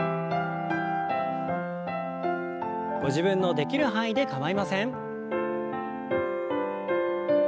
ご自分のできる範囲で構いません。